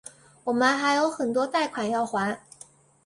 我们还有很多贷款要还